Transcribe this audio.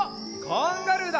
カンガルーだ！